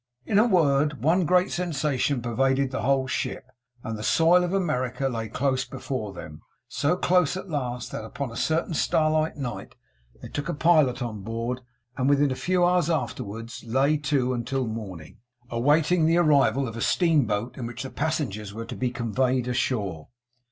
In a word, one great sensation pervaded the whole ship, and the soil of America lay close before them; so close at last, that, upon a certain starlight night they took a pilot on board, and within a few hours afterwards lay to until the morning, awaiting the arrival of a steamboat in which the passengers were to be conveyed ashore.